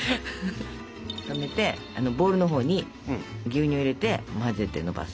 止めてボールのほうに牛乳を入れて混ぜてのばす。